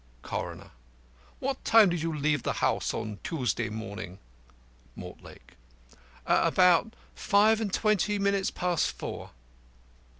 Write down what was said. CORONER: What time did you leave the house on Tuesday morning? MORTLAKE: At about five and twenty minutes past four.